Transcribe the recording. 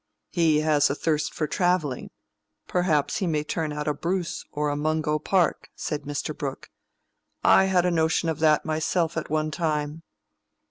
"He has a thirst for travelling; perhaps he may turn out a Bruce or a Mungo Park," said Mr. Brooke. "I had a notion of that myself at one time."